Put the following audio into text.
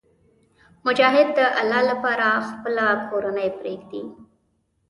مجاهد د الله لپاره خپله کورنۍ پرېږدي.